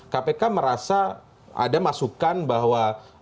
kpk merasa ada masukan bahwa